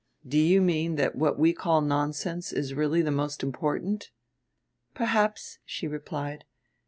"Do you mean that what we call nonsense is really the most important?" "Perhaps," she replied.